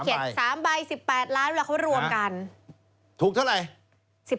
นี่เขียน๓ใบ๑๘ล้านแล้วเข้ารวมกันถูกเท่าไหร่๑๘ล้าน